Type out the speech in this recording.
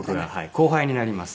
後輩になります。